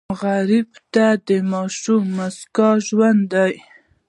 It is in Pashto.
غریب ته د ماشوم موسکا ژوند دی